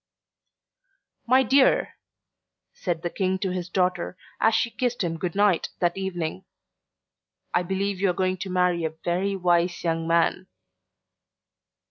"My dear," said the King to his daughter as she kissed him good night that evening, "I believe you are going to marry a very wise young man."